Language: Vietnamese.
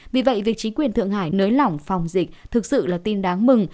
vì vậy việc chính quyền thượng hải nới lỏng phòng dịch thực sự là tin đáng mừng